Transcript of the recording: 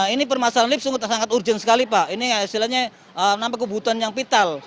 ini permasalahan lift sungguh sangat urgent sekali pak ini istilahnya nampak kebutuhan yang vital